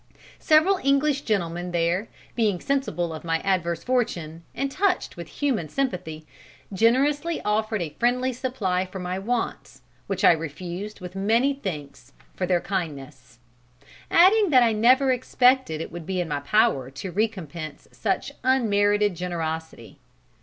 Several English gentlemen there, being sensible of my adverse fortune, and touched with human sympathy, generously offered a friendly supply for my wants, which I refused with many thanks for their kindness, adding that I never expected it would be in my power to recompense such unmerited generosity."